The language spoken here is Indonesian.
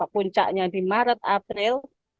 puncaknya di maret april